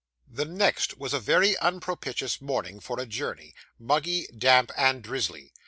The next was a very unpropitious morning for a journey muggy, damp, and drizzly.